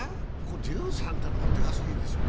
１３というのはデカすぎるでしょう。